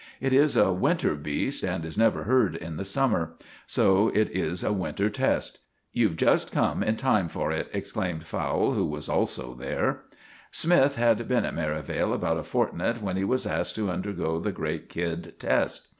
It is a winter beast, and is never heard in the summer. So it is a winter test. You've just come in time for it," explained Fowle, who was also there. Smythe had been at Merivale about a fortnight when he was asked to undergo the great kid test.